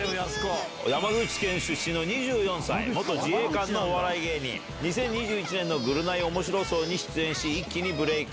山口県出身の２４歳、元自衛官のお笑い芸人、２０２１年のぐるナイおもしろ荘に出演し、一気にブレイク。